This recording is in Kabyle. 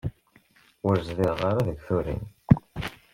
Ur zdiɣeɣ ara deg Turin.